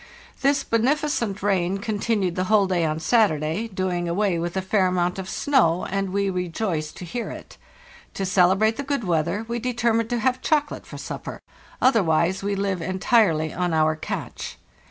"This beneficent rain continued the whole day on Saturday, doing away with a fair amount of snow, and we rejoice to hear it. To celebrate the good weather we determined to have chocolate for supper; otherwise we live entirely on our catch.